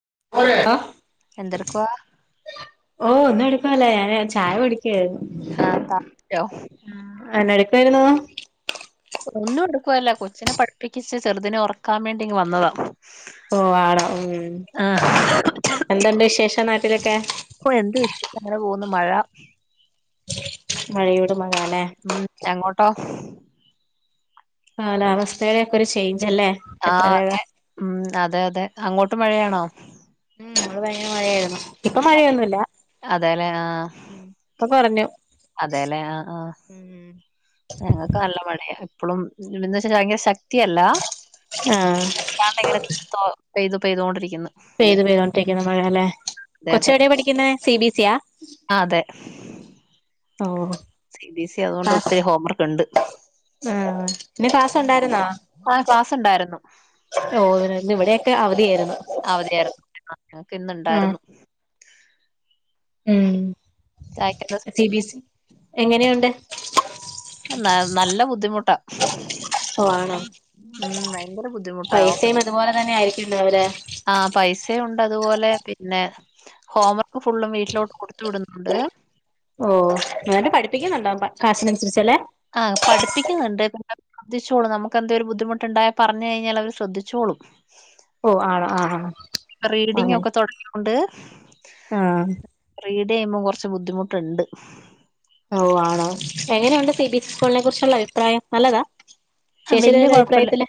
[inaudible] എന്തെടുക്കുവാ ഓ [unintelligible] ഞാന് ചായ. കുടിക്കായിരുന്നു ആഹ് താമസിച്ചോ [unintelligible] [unintelligible] ഒന്നും എടുക്കുവല്ല കൊച്ചിനെ പഠിപ്പിച്ച് ചെറുതിനെ ഉറക്കാൻ വേണ്ടി വന്നതാ ഓ ആണോ ഉ ആഹ് -എന്തണ്ട് വിശേഷം നാട്ടിലൊക്കെ അപ്പൊ എന്ത് വിഷയ അങ്ങനെ പോകുന്നു മഴ മഴ അല്ലേ ഉം എങ്ങോട്ടാ കാലാവസ്ഥയുടെ ഒരു ചേഞ്ച് അല്ലേ എത്ര ആഹ വേഗം അതെ ഉം അതെ അതെ അങ്ങോട്ട് മഴയാണോ അ ഭയങ്കരംമഴയായിരുന്നു ഇപ്പൊ മഴയൊന്നുമില്ല- ഇപ്പം കുറഞ്ഞു അതെല്ലേ ആഹ ആഹ ഉം ഞങ്ങൾക്ക് നല്ല മഴയാ ഇപ്പോളു- എന്ന് വെച്ചാൽ ഭയങ്കര ശക്തിയല്ലാ ആഹ് അല്ലാതെ ഇങ്ങനെ പെയ്തു പെയ്തുകൊണ്ടിരിക്കുന്നു പെയ്തു പെയ്തുകൊണ്ടിരിക്കുന്നു മഴഅല്ലെ അതെ അതെ കൊച്ച് എവിടെയാ പഠിക്കുന്ന സി ബി സിയ [unintelligible] സി ബിസ് സ അതുകൊണ്ട് ക്ലാസ് ഒത്തിരി ഹോം വർക്ക് ഉണ്ട് ആഹ് ഇന്ന് ക്ലാസ് ഉണ്ടായിരുന്നോ ആഹ ക്ലാസ് ഉണ്ടായിരുന്നു [unintelligible] ഓ ഇവിടെയൊക്കെ അവധിയായിരുന്നു അവധായിരുന്നു - ഞങ്ങൾക്ക് ഇന്ന് ആഹ് ഇണ്ടായിരുന്നു ഉം ചായക്കെന്താ സി സ്പെഷ്യല് ബിസി -എങ്ങനെയുണ്ട് നല്ല ബുദ്ധിമുട്ടാ ആണോ- ഉം ഭയങ്കര ബുദ്ധിമുട്ടാവും. പൈസയും അതുപോലെ തന്നെ ആയിരിക്കും ഉണ്ടാവ ആ പൈസുണ്ട് അതുപോലെ പിന്നെ ഹോംവർക്ക് ഫുള്ളും വീട്ടിലോട്ട് കൊടുത്തു വിടുന്നുണ്ട്. ഓ നല്ലോണംപഠിപ്പിക്കുന്നുണ്ടും കാശിനനുസരിച്ചല്ലേ ആഹ് പഠിപ്പിക്കുന്നുണ്ട്ന്നെ അവ ആ ആ പഠിപ്പിക്കുന്നുണ്ട് പിന്നെശ്രദ്ധിച്ചോളു നമുക്ക ഒരു ബുദ്ധിമുട്ടുണ്ടായ പറഞ്ഞു കഴിഞ്ഞാൽ പറഞ്ഞു കഴിഞ്ഞാലും അവര് ശ്രദ്ധിച്ചോളൂ ഓ ആണോ ആ ആ റീഡിംഗ ഒക്കെ തുടങ്ങൊണ്ട് ആഹ റീഡയുമ്പോൾ ചെയ്യുമ്പം കുറച്ച് ബുദ്ധിമുട്ടുണ്ട് ഓ ആണോ എങ്ങനെയുണ്ട് സി ബി സ്കൂളിനെ കുറിച്ചുള്ള അഭിപ്രായം നല്ലതാ ആ ചേച്ചിയുടെ വല്യ ഒരു കുഴപ്പല്ല അഭിപ്രായത്തില്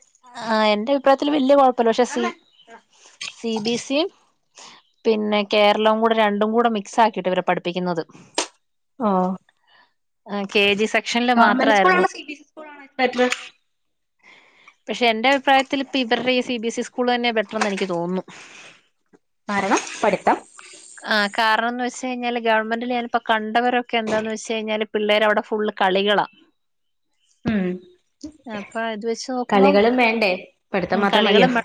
ആ എന്റെ അഭിപ്രായത്തില് വല്യ കുഴപ്പല്ലോ [unintelligible] സി ബി സി പിന്നെ കേരളവും കൂടെ രണ്ടും കൂടെ മിക്സ് ആക്കിയിട്ട് ഇവരെ പഠിപ്പിക്കുന്നത് ആഹ കെ ജി സെക്ഷനിൽ ഗവമെന്റ് സ്കൂള മാത്രായിരുന്നു. ആണോ സി ബി സ്കൂൾ ആണോറ്റ ബെറ്റർ പക്ഷെ എന്റെ അഭിപ്രായത്തില് ഇപ്പ ഇവരുടെ ഈ C B S E school തന്നെ ബെറ്റർന്ന് എനിക്ക് തോന്നുന്നു കാരണം പഠിത്തം കാരണം എന്ന് വെച്ച് കഴിഞ്ഞാല് ഗവർമെന്റ് ഞാനിപ്പോൾ കണ്ടവരൊക്കെ- പിള്ളേര് ക്കെ ഫുൾ കളികളാ [unintelligible] ഉം അപ്പ അത് കളികളും വേണ്ടേ പഠിത്തം ഉ മാത്രം മതിയോ കളികളും-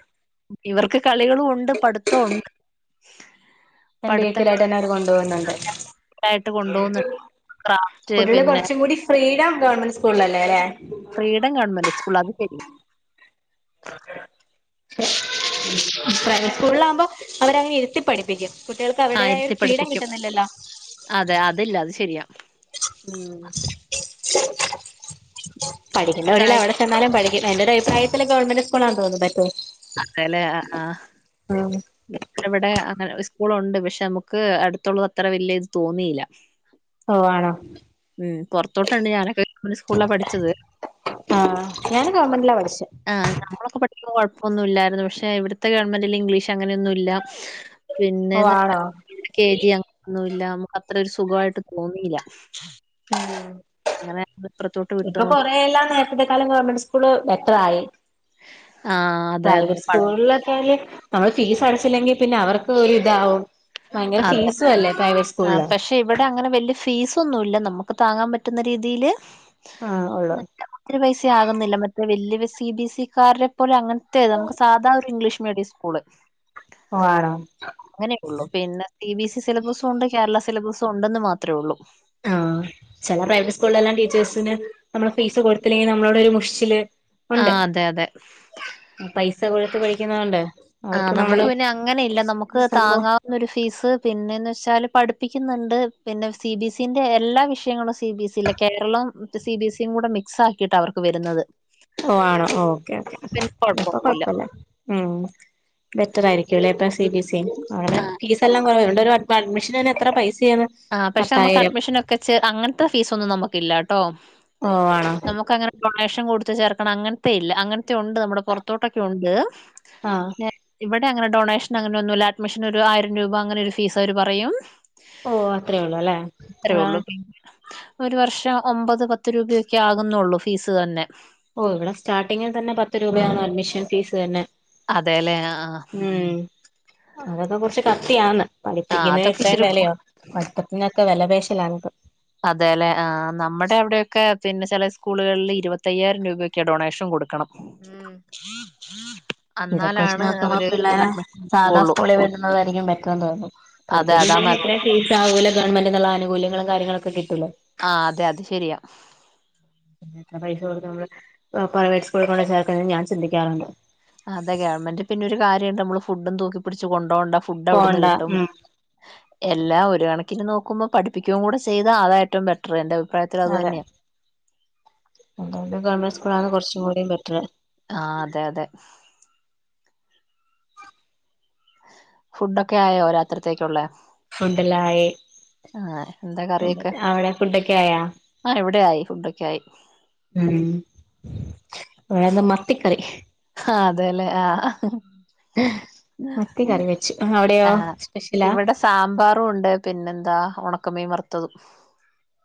ഇവർക്ക് കളികളും ഉണ്ട് പഠിത്തം ഉണ്ട് [unintelligible] രണ്ട് വീക്കിലയിട്ടെ ന്നെ ത് കൊണ്ടോ ന്നുണ്ട്. കൊണ്ടുപോകുന്നുണ്ട് ക്രാഫ്റ്റ് കുട്ടിള് പിന്നെ കൊറച്ചു കൂടി ഫ്രീടം ഗവൺമെന്റ് സ്കൂള്ളല്ലേ ലെ? ഫ്രീഡം ഗവൺമെന്റ് സ്കൂള് അത് ശരി. [unintelligible] പ്രൈവറ്റ് സ്കൂള്ളമ്പോ അവടെ ങ്ങനെ ഇരുത്തി പഠിപ്പിക്കും. കുട്ട്യേൾക് ആഹ് അവര്ടേതായ രു ഇരുത്തി ഫ്രീഡം പഠിപ്പിക്കും കിട്ടുന്നില്ലല്ലോ? അതെ അതില്ല അത് ശരിയാ പഠിക്കണ്ട [unintelligible] ചായക്ക് എവടെ ചെന്നാലും പഠി എന്റെ രു അഭിപ്രായത്തില് ഗവമെന്റ് സ്കൂളാണെ തൊ ബെറ്റ്ർ. അതെ ലെ ആ ആ ഉം ന വിടെ അങ്ങന ഉസ്കൂളോണ്ട് പഷെ അമക്ക് അടുത്തുള്ളത് അത്ര വെല്യ ത് തോന്നില. ഓ ആണോ? മ് പോർത്തോട്ടെന്നെ യാണ് ക് [unintelligible] സ്കൂള പഠിച്ചത് ആഹ് ഞാൻ ഗവൺമെന്റിലാ പഠിച്ചേ ആ നമ്മളൊക്കെ പഠികുമ്പോ കോഴ ഒന്നു ഇല്ലായിരുന്നു പഷെ വിട് ത്തെ ഗവൺമെന്റില് ഇംഗ്ലീഷ് അങ്ങനെയൊന്നുല്ല ഓ പിന്നേന്ന് ആണോ കെ ജി അ [unintelligible] നൊന്നുമല്ല മ അത് രു സുഖയിട്ട് തോന്നില. ഉം ഇപ്പുറത്തോട്ട് വിട്ടു ഇപ്പൊ നോക്കിയത്. കൊറയല്ലാം നേരതത്തെ കാളും ഗവണ്മെന്റ് സ്കൂള് ബെറ്ററായി ആഹ് അതെ അതെ പ്രൈവറ്റ് പ സ്കൂള്ള ക്യല് നമള് ഫീസ് അടച്ചില്ലെങ്കി പിന്നെ അവർക്ക് ഒരു താവും അതെ ആ പഷെ ഇവ്ട ങ്ങനെ വല്യ ഫീസ് ന്നുല്ല നമ്മക്ക് താങ്ങാ പറ്റുന്ന രീതില് ആഹ് ഉള്ളൂ ര് പൈസ ആകുന്നില്ല മ വല്ല്യ വെ സി ബി സിക്കാരെ പോലെ അങ്ങൻത്തെ നമുക്ക് സാധാ രു ഇംഗ്ലീഷ് മീഡി സ്കൂള്. ഓ ആണോ? അങ്ങനെകുള്ളു പിന്നെ സി ബി സി സിലബസു ണ്ട് കേരള സിലബസു ണ്ടെന്ന് മാത്രോ ള്ളു. ചെല പ്രൈവറ്റ് സ്കൂള്ളെ ല്ലാ ടീച്ചേഴ്സിന് നമ്മള് ഫീസ് കൊടുത്തില്ലെങ്കി നമ്മളോടൊ ര് മുഷ്ച്ചില് ആ അതെ അതെ. പുഴത് പഠിക്കുന്നോ ണ്ടെ ആ നമുക്ക് പിന്നെ അങ്ങനെ ഇല്ല നമുക്ക് സംഭവം താങ്ങാവുന്ന ഒരു ഫീസ് പിന്നെന്ന് വെച്ചാല് പഠിപ്പിക്കുന അ ണ്ട് പിന്നെ സി ബി സി ന്റെ എല്ലാ വിഷ്യങ്ങളും സി ബി സി ല്ല കേരളം സി ബി സി ഉം കൂടെ മിക്സ് ആക്കിയിട്ട് അവർക്ക് വെരുന്നത്. ഓ ആണോ ഓക്കെ ഓക്കെ അപ്പൊ കുഴപ്പൊന്നുല്ല കൊയപ്പല്ല മ് ബെറ്റർ ആയിരി ലെ പ്പൊ സി ഉം ബി സി അ ഫീസ് എല്ലാ കൊറവ ണ്ട് രു അ അഡ്മിഷന് ന്നെ എത്ര പൈസ ആ പഷെ അമക്ക് അഡ്മിഷൻ ഒക്കെ ച് അങ്ങൻത്തെ ഫീസൊന്നും നമകില്ലട്ടോ. ഓ ആണോ നമുക്ക് അങ്ങനെ [unintelligible] ഷ് കൊടുത് ചേർക്കണ അങ്ങൻത്തെ ഇല്ല അങ്ങൻത്തെ ഒണ്ട് നമ്മുടെ പൊർത്തോട്ടൊക്കെ ഒണ്ട് ആഹ് ന്നെ ഇവ അങ്ങനെ ഡൊണേഷന ങ്ങനെ ഒന്നുല്ല അഡ്മിനോരു ആയിരം രൂപ അങ്ങനെ ഒരു ഫീസ് അവര് പറയും ഓ അത്രേ ഉള്ളൂ അല്ലേ ത്രേ ഇവിടെ ഉള്ളൂ പി ഒരു വർഷം ഒമ്പത് പത്ത് രൂപയൊക്കെ ആകുന്നുള്ളൂ ഫീസ് തന്നെ. ഓ വിടെ സ്റ്റാർട്ടിങ്ങിൽ തന്നെ പത്ത് രൂപയാണ് അഡ്മിഷൻ ഫീസ് തന്നെ. അതെല്ലേ? ആ ആഹാ. അതോകെ കൊറച്ച് കത്തിയാന്ന് പഠിപ്പിക്കുന്നെ അതൊക്കെ ഇത്രയും ഇച്ചിരി വെലയോ പഠിത്തത്തിനൊക്കെ വെലപേശലാണ് പൊ. അതെല്ലെ ആ നമ്മടെ അവിടോക്കെ പിന്നെ ചെല സ്കൂളുകള്ളി ഇരുപത്തയ്യായിരം രൂപൊക്യാ ഡൊണേഷൻ കൊടുക്കണം. ഉം. അ ഇതൊക്കെ ച്ച് നോക്കുമ്പോ പിള്ളേരെ സാധാ എടുക്കുള്ളൂ. സ്കൂളി വിടുന്നതായിരിക്കും ബെറ്റ്റ് ന്ന് തോന്നു പഠിപി അതെ അതാ നൽ [unintelligible] വൂല ഗവൺമെന്റ്ന്ന്ള്ള ആനുകൂല്യങ്ങളും കാര്യങ്ങളു ആ അതെ അത് ശെരിയാ. എത്ര പൈസ കൊടുത്ത് നമ്മള് പ്രൈവറ്റ് സ്കൂള്ള് കൊണ്ടെ ചേർക്കുന്ന ഞാ ചിന്തിക്കാറുണ്ട്. അതെ ഗവൺമെന്റ് പിന്നെ ഒര് കാര്യണ്ട് ഞമ്മള് ഫുഡും തൂക്കി പിടിച്ച് കൊണ്ടോണ്ട. ഫുഡ് അവിട്ന്ന് പോണ്ട കിട്ടും. ഉം എല്ലാം ഒര് കണക്കിന് നോ ക്കുമ്പോ പഠിപ്പിക്കുകൂടെ ചെയ്താ അതാ ഏറ്റവും ബെറ്റർ എന്റെ അഭിപ്രായത്തിൽ അത് തന്നെയാ. എന്തോണ്ടും ഗവൺമെന്റ് സ്കൂളാണ് കൊർച്ചും കൂടി ബെറ്ററ്. ആഹ് അതെ അതെ. ഫുഡൊക്കെ ആയോ രാത്രിത്തേക്കുള്ളേ? ഫുഡെല്ലായി എന്താ അവടെ ഫുഡൊക്കെ ആയോ? ഫുഡായി ഫുഡൊക്കെ ആയി. മ് ഇവ്ടെന്താ മത്തിക്കറി. ആഹ് അതെല്ലേ ആഹ് മത്തി കറി വെച്ചു അവിടെയോ ആഹ് സ്പെഷ്യലാ ഇവടെ സാമ്പാറൂണ്ട് പിന്നെന്താ മീം വർത്തതും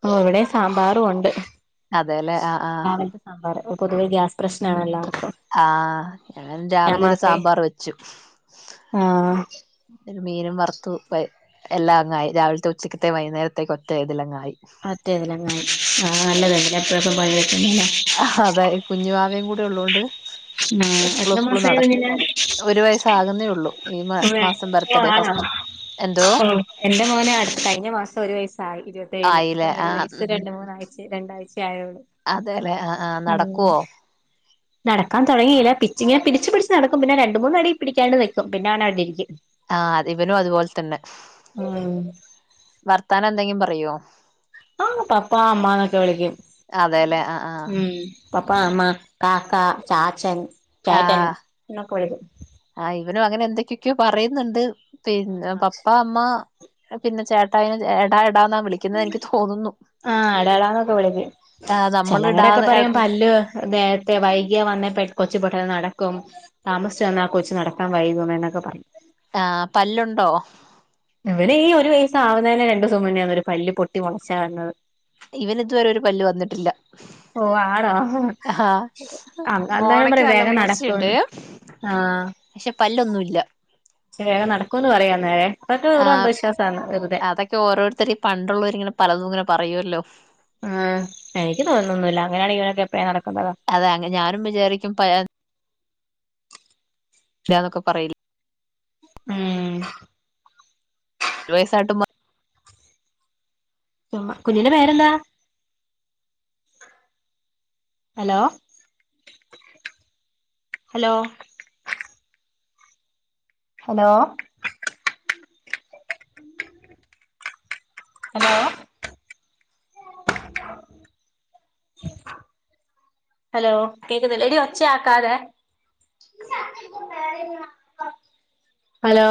ഓ ഇവടേം സാമ്പാറു ഒണ്ട് അതെല്ലേ ആഹ് ആഹ് പൊതുവേ ഗ്യാസ് പ്രശ്ന ആണല്ലോ ആഹ് ഞാൻ രാവിലെ ഒരു മാത്രമേ സാമ്പാർ വെച്ചു. ആഹ് ഒരു മീനും വർത്തു പര് എല്ലാം അങ്ങായി രാവിലത്തെ ഉച്ചക്ക്ത്തെ വൈന്നേരക്കത്തെ ഒറ്റ ഇതിലെങ്ങായി. അതേ അതങ്ങനെ ആയി നല്ലതല്ല എപ്പഴപ്പ അതായി. കുഞ്ഞുവാവേം കൂടെള്ളോണ്ട് ആഹ് എപ്പളും എത്ര എപ്പളും നട മാസായി കുഞ്ഞിന് ഒര് വയസാകുന്നേഒള്ളൂ ഈ മാ മാസം ഓ ബർത്ത്ഡേ ആണോ ച്ചു ഓ എന്റെ മോന് അടുത്ത കഴിഞ്ഞ മാസം ഒര് വയസായി ഇരുപത്തേഴിന് ഇപ്പൊ ആയില്ലേ ഒര് ആഹ് വയസ് രണ്ട് മൂന് രണ്ടാഴ്ച ആയോള അതെല്ലെ ആഹ് ആഹ് മ് നടക്കുവോ നടക്കാൻ തൊടങ്ങീല. പിച്ച് ങ്ങനെ പിടിച്ച് പിടിച്ച് നടക്കും. പിന്നെ രണ്ട്, മൂന് അടി പിടിക്കാണ്ട് നിക്കും. പിന്നെ അവനവിടെ ഇരിക്കും ആഹ് അത് ഇവനും അത് പോലെ തന്നെ. ഉം വർത്താനം എന്തെങ്കിലും. റയോ ആഹ് പപ്പാ അമ്മ ന്നൊക്കെ വിളിക്കും അതെല്ലെ ആഹ് ആഹ് മ് പപ്പാ, അമ്മ കാക്കാ, ചാച്ചൻ ചേട്ടൻ ആഹ് എന്നൊക്കെ വിളിക്കും ആഹ് ഇവനും അങ്ങനെ എന്തൊക്കെക്കെയോ പറയ്ന്ന്ണ്ട് പിന്നെ പപ്പാ, അമ്മ പിന്നെ ചേട്ടായിനെ എടാ എടാന്നാ വിളിക്ക്‌ന്നത് എനിക്ക് തോന്നുന്നു. ആഹ് അട അടാന്നൊക്കെ വിളക്കും ആഹ് നമ്മള് ചെലര്ടെക്കെ ഇടാതെ പറയും പല്ല് നേരത്തെ വൈകിയാ വന്നേ കൊച്ച് പെട്ട നട ക്കും. താമസിച്ചു വന്നാൽ കൊച്ച് നടക്കാം വൈകും. എന്നൊക്കെ പറയും. ആഹ് പല്ലുണ്ടോ ഇവന് ഈ ഒരു വയസ്സാവുന്നേന് രണ്ടൂസം മുന്നേണ് ഒരു പല്ല് പൊട്ടി മുളച്ച വന്നത്. ഇവന് ഇത്വരെ ഒരു പല്ല് വന്നിട്ടില്ല. ഓ ആണോ ആഹ് അന്നേരം മോണക്ക് പറയും നല്ല വേഗം മൂർച്ചയുണ്ട്. നടക്കൂന്ന് പക്ഷെ പല്ലൊന്നുല്ല. ശേ വേഗം നടക്കൂന്ന് പറയും അന്നേരം. അതൊക്കെ വെറും ആഹ് അന്ധവിശ്വാസാണ് വെറുതെ അതൊക്കെ ഓരോര്ത്തര് പണ്ടുള്ളോരിങ്ങനെ പലതു ഇങ്ങനെ പറയോല്ലോ. ആഹ് എനിക്ക് തോന്നുന്നോന്നുല്ല അങ്ങനെയണെങ്കി ഇവനൊക്കെ എപ്പളേ അതെ അങ്ങ ഞാനും വിചാരിക്കും പ ഇല്ലാന്നൊക്കെ പറയില്ല മ് ഒരു വയസ്സായ്ട്ടും സുമ കുഞ്ഞിന്റെ പേരെന്താ? Hello hello hello hello hello കേക്ക്‌നില്ലേ എടി ഒച്ച ആക്കാതെ ഹലോ